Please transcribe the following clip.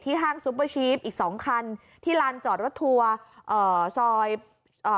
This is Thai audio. ห้างซุปเปอร์ชีฟอีกสองคันที่ลานจอดรถทัวร์เอ่อซอยเอ่อ